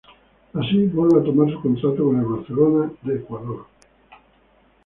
Así, vuelve a tomar su contrato con el Barcelona de Ecuador.